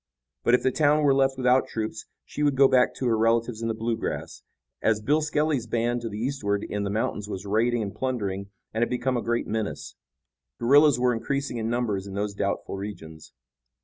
But if the town were left without troops she would go back to her relatives in the Bluegrass, as Bill Skelly's band to the eastward in the mountains was raiding and plundering and had become a great menace. Guerillas were increasing in numbers in those doubtful regions.